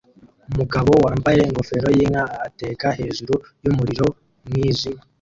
Umugabo wambaye ingofero yinka ateka hejuru yumuriro mwijima